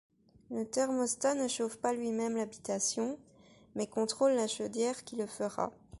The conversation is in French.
Le thermostat ne chauffe pas lui-même l'habitation, mais contrôle la chaudière qui le fera.